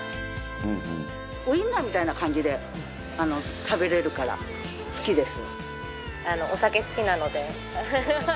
ウィンナーみたいな感じで食べられるから好きです。